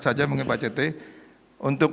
saja pak cethe untuk